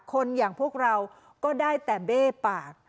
คนอย่างพวกเราก็ได้แต่เบ้ปาก